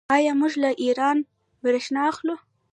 آیا موږ له ایران بریښنا اخلو؟